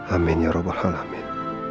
amin ya rabbal alamin